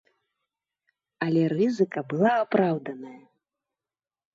Але рызыка была апраўданая.